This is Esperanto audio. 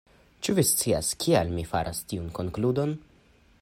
Ĉu vi scias kial mi faras tiun konkludon?